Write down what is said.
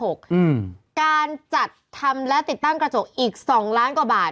การจัดทำและติดตั้งกระจกอีก๒ล้านกว่าบาท